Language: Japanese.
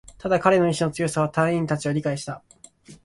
ただ、彼の意志の強さだけは隊員達は理解した